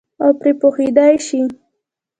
او پرې پوهېدلای شي.